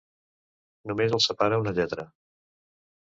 Només els separa una lletra.